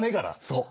そう。